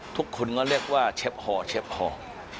ทุกคนก็เรียกว่าเชฟฮอร์เชฟฮอร์